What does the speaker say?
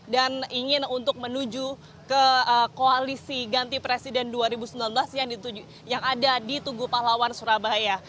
dan ingin untuk menuju ke koalisi ganti presiden dua ribu sembilan belas yang ada di tugu pahlawan surabaya